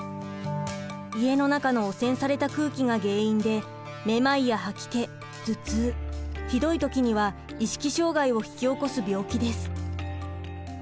家の中の汚染された空気が原因でめまいや吐き気頭痛ひどい時には意識障害を引き起こす病気です。